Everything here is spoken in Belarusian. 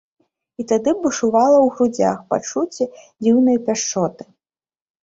І тады бушавала ў грудзях пачуццё дзіўнай пяшчоты.